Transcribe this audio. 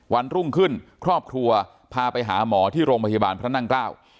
วันรุ่งขึ้นครอบครัวพาไปหาหมอที่โรงพยาบาลพระนั่งเกล้า